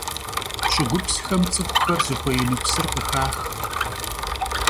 Ş'ıgupsxem ts'ıxuxer zıxuêinu psır khıxax.